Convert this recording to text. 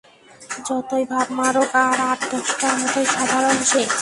যতই ভাব মারুক, আর আট-দশটার মতোই সাধারণ সে।